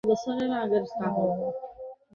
তিনি এডিনবার্গ বিশ্ববিদ্যালয়ে ইঞ্জিয়ারিং এ ভর্তি হন।